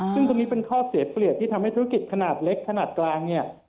ซึ่งตรงนี้เป็นข้อเสียเปรียบที่ทำให้ธุรกิจขนาดเล็กขนาดกลางเนี่ย